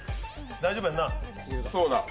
大丈夫やんな？